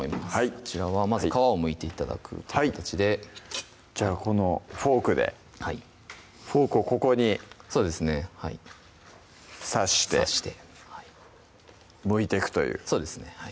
こちらはまず皮をむいて頂く形でじゃあこのフォークでフォークをここにそうですね刺して刺してはいむいていくというそうですね